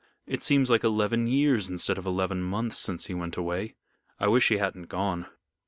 It seems like eleven years instead of eleven months since he went away. I wish he hadn't gone."